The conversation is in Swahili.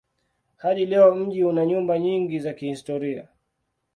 Hadi leo mji una nyumba nyingi za kihistoria.